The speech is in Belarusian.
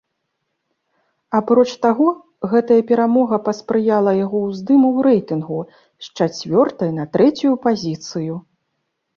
Апроч таго, гэтая перамога паспрыяла яго ўздыму ў рэйтынгу з чацвёртай на трэцюю пазіцыю.